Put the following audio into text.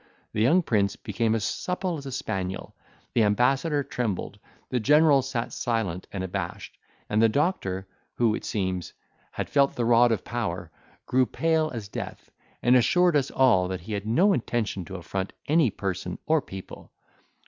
The young prince became as supple as a spaniel, the ambassador trembled, the general sat silent and abashed, and the doctor, who it seems, had felt the rod of power, grew pale as death, and assured us all, that he had no intention to affront any person or people.